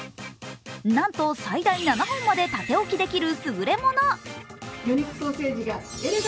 なんと最大７本まで立て置きできる優れもの。